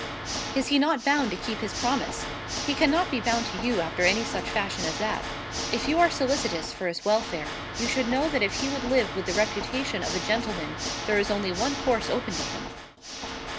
Is he not bound to keep his promise? He cannot be bound to you after any such fashion as that. If you are solicitous for his welfare, you should know that if he would live with the reputation of a gentleman, there is only one course open to him."